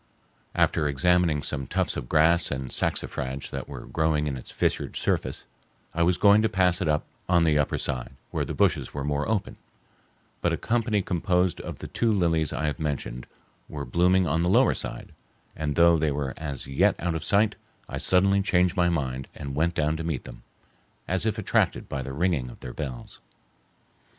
After examining some tufts of grass and saxifrage that were growing in its fissured surface, I was going to pass it by on the upper side, where the bushes were more open, but a company composed of the two lilies I have mentioned were blooming on the lower side, and though they were as yet out of sight, I suddenly changed my mind and went down to meet them, as if attracted by the ringing of their bells.